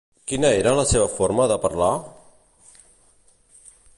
Quina era la seva forma de parlar?